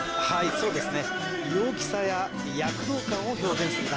そうですね